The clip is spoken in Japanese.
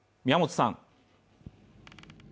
宮本さん。